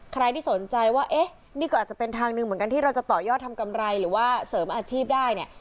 ใครที่สนใจว่าเอ๊ะนี่ก็อาจจะเป็นทางหนึ่งเหมือนกันที่เราจะต่อยอดทำกำไรหรือว่าเสริมอาชีพได้เนี่ย